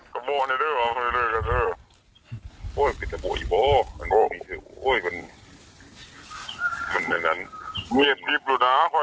จะบอกว่าประวังอลอยุคดีกว่าคือเวลาอายุ๔๐กว่า